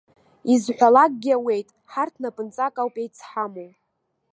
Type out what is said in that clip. Изҳәалакгьы ауеит, ҳарҭ напынҵак ауп еицҳамоу.